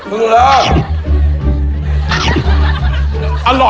มึงล่ะ